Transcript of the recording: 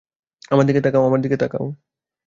আমার দিকে তাকাও, আমার দিকে তাকাও।